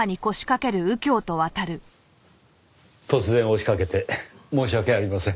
突然押しかけて申し訳ありません。